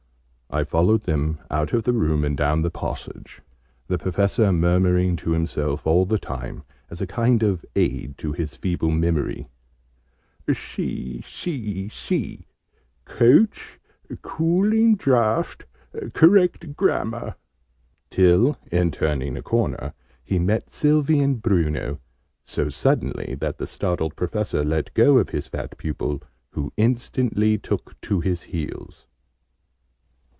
I followed them out of the room, and down the passage, the Professor murmuring to himself, all the time, as a kind of aid to his feeble memory, "C, C, C; Couch, Cooling Draught, Correct Grammar," till, in turning a corner, he met Sylvie and Bruno, so suddenly that the startled Professor let go of his fat pupil, who instantly took to his heels.